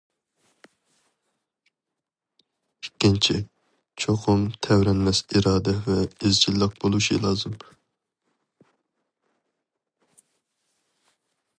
ئىككىنچى، چوقۇم تەۋرەنمەس ئىرادە ۋە ئىزچىللىق بولۇشى لازىم.